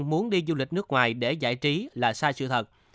muốn đi du lịch nước ngoài để giải trí là sai sự thật